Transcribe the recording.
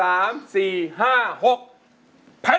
ถ้าใช้แล้ว